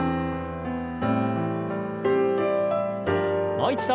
もう一度。